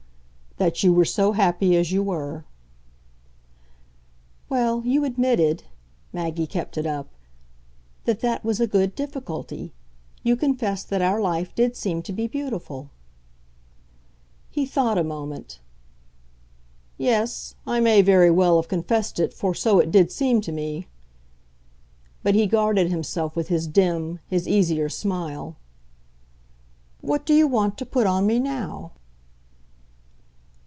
"That you were so happy as you were." "Well, you admitted" Maggie kept it up "that that was a good difficulty. You confessed that our life did seem to be beautiful." He thought a moment. "Yes I may very well have confessed it, for so it did seem to me." But he guarded himself with his dim, his easier smile. "What do you want to put on me now?"